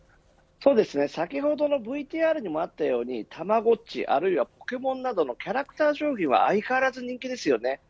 先ほどのＶＴＲにもあったように、たまごっちあるいはポケモンなどのキャラクター商品は相変わらず人気ですよね。